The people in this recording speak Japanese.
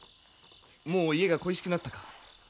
もう家が恋しくなったか？